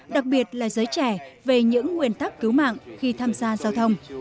đặc biệt là giới trẻ về những nguyên tắc cứu mạng khi tham gia giao thông